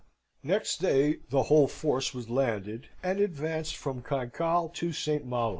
Next day the whole force was landed, and advanced from Cancale to St. Malo.